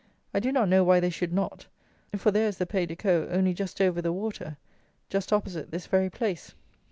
I do not know why they should not; for there is the Pays de Caux only just over the water, just opposite this very place.